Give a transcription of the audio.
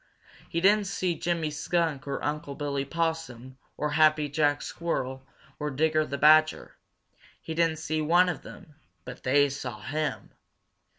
He didn't see Jimmy Skunk or Unc' Billy Possum or Happy Jack Squirrel or Digger the Badger. He didn't see one of them, but they saw him.